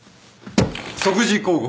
即時抗告。